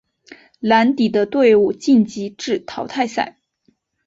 蓝底的队伍晋级至淘汰赛。